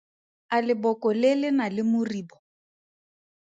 A leboko le le na le moribo?